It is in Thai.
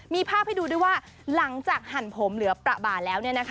มีภาพให้ดูด้วยว่าหลังจากหั่นผมเหลือประบาแล้ว